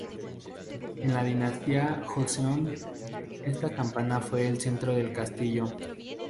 En la Dinastía Joseon, esta campana fue el centro del castillo.